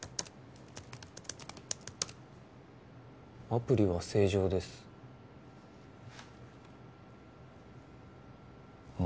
アプリは正常ですあ